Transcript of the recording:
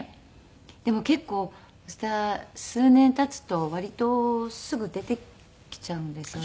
でも結構数年経つと割とすぐ出てきちゃうんですよね。